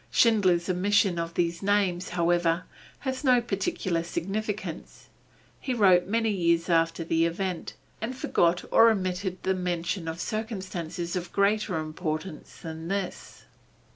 Schindler's omission of these names, however, has no particular significance; he wrote many years after the event, and forgot or omitted the mention of circumstances of greater importance than this.